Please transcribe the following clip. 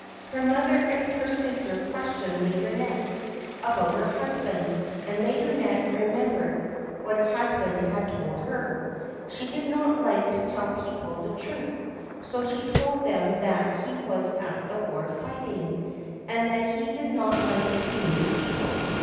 Her mother and her sister questioned Laideronnette about her husband, and Laideronnette remembered what her husband had told her ; she did not like to tell her people the truth, so she told them that he was at the war fighting, and that he did not like seeing people.